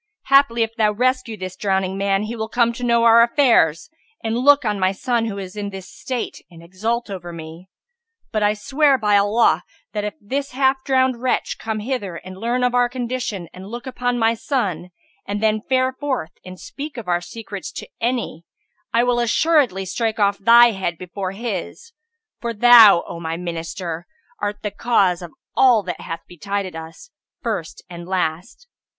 Haply, if thou rescue this drowning man, he will come to know our affairs, and look on my son who is in this state and exult over me; but I swear by Allah, that if this half drowned wretch come hither and learn our condition and look upon my son and then fare forth and speak of our secrets to any, I will assuredly strike off thy head before his; for thou, O my Minister art the cause of all that hath betided us, first and last.